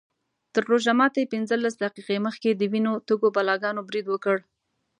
تر روژه ماتي پینځلس دقیقې مخکې د وینو تږو بلاګانو برید وکړ.